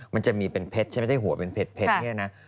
มันจะมีเป็นเพชรใช่ไหมได้หัวเป็นเพชรเนี่ยนะ